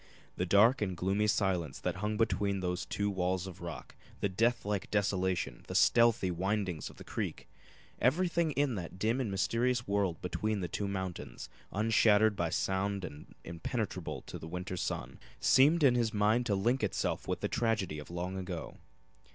The dark and gloomy silence that hung between those two walls of rock, the death like desolation, the stealthy windings of the creek everything in that dim and mysterious world between the two mountains, unshattered by sound and impenetrable to the winter sun, seemed in his mind to link itself with the tragedy of long ago.